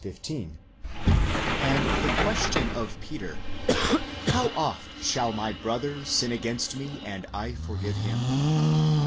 15), and the question of Peter, How oft shall my brother sin against me, and I forgive him?